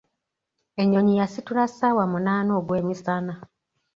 Ennyonyi yasitula ssawa munaana ogw'emisana.